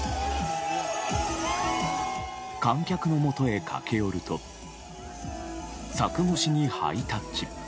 観客のもとへ駆け寄ると柵越しにハイタッチ。